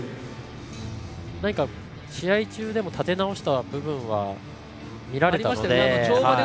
試合中でも立て直した部分は見られたので。